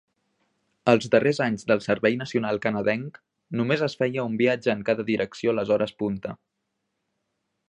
Els darrers anys del servei nacional canadenc, només es feia un viatge en cada direcció les hores punta.